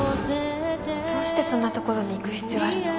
どうしてそんなところに行く必要あるの？